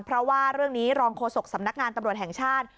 เพราะว่าเรื่องนี้รองโฆษกสำนักงานตำรวจแห่งชาติ